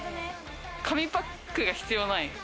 紙パックが必要ない。